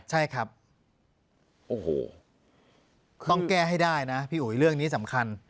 ใช่ครับโอ้โหต้องแก้ให้ได้นะพี่อุ๋ยเรื่องนี้สำคัญ